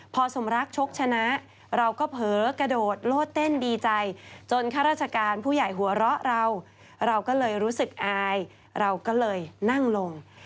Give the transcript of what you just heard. พอสมรักชกชนะเราก็เผลอกระโดดโลดเต้นดีใจจนข้าราชการผู้ใหญ่หัวเราะเราเราก็เลยรู้สึกอายเราก็เลยนั่งลง